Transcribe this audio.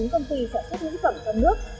ba trăm linh chín công ty sản xuất nữ phẩm trong nước